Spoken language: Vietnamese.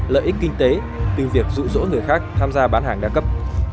lợi ích kinh tế từ việc rũ rỗ người khác tham gia bán hàng đa cấp